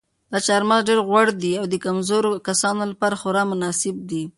دا چهارمغز ډېر غوړ دي او د کمزورو کسانو لپاره خورا مناسب دي.